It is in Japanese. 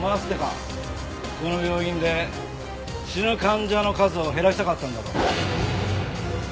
この病院で死ぬ患者の数を減らしたかったんだろ。